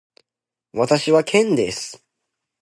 私はケンです。